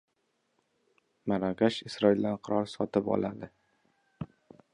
Marokash Isroildan qurol sotib oladi